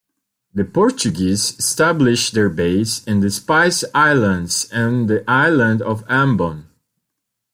The Portuguese established their base in the Spice Islands on the island of Ambon.